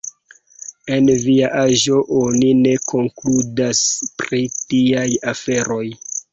En via aĝo oni ne konkludas pri tiaj aferoj.